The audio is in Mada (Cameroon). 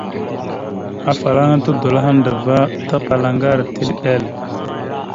Afalaŋana tudola aha andəva, tapala aŋgar, tile eɗek.